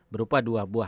berupa dua buah